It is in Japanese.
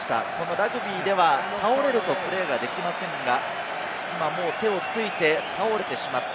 ラグビーでは倒れるとプレーができませんが、今、もう手をついて倒れてしまった。